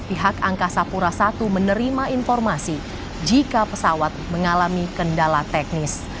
pihak angkasa pura i menerima informasi jika pesawat mengalami kendala teknis